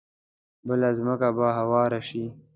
بله ځمکه به هواره شي.